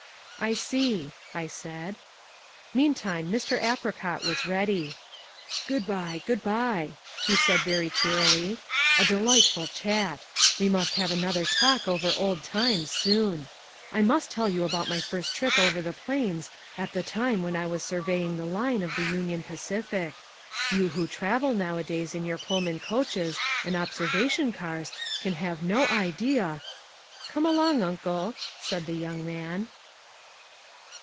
"I see," I said. Meantime Mr. Apricot was ready. "Good bye, good bye," he said very cheerily, "A delightful chat. We must have another talk over old times soon. I must tell you about my first trip over the Plains at the time when I was surveying the line of the Union Pacific. You who travel nowadays in your Pullman coaches and observation cars can have no idea " "Come along, uncle," said the young man.